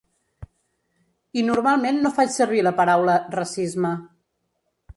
I normalment no faig servir la paraula ‘racisme’.